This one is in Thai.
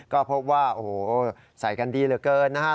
ก็พบว่าไส่กันดีเหลือเกินนะค่ะ